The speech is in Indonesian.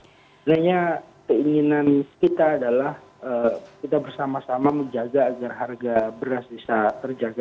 sebenarnya keinginan kita adalah kita bersama sama menjaga agar harga beras bisa terjaga